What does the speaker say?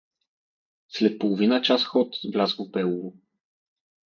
След половина час ход влязох в Белово.